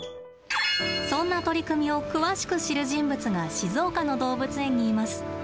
そんな取り組みを詳しく知る人物が静岡の動物園にいます。